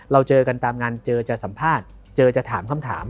เราเจอกันตามงานเจอจะสัมภาษณ์เจอจะถามคำถาม